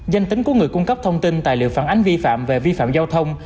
danh tính của người cung cấp thông tin tài liệu phản ánh vi phạm về vi phạm giao thông